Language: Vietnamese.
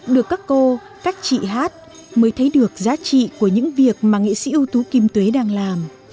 được các cô các chị hát mới thấy được giá trị của những việc mà nghệ sĩ ưu tú kim tuế đang làm